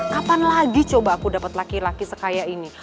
kapan lagi coba aku dapat laki laki sekaya ini